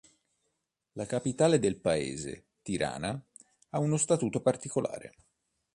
La capitale del paese, Tirana, ha uno statuto particolare.